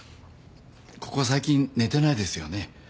ここ最近寝てないですよね？